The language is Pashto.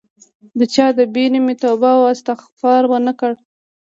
د چا د بیرې مې توبه او استغفار ونه کړ